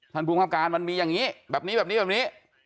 ท่านผู้มาครับการมันมีอย่างนี้แบบนี้แบบนี้